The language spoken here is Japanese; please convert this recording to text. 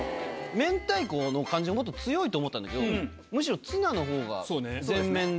明太子の感じがもっと強いと思ったんだけどむしろツナのほうが前面で。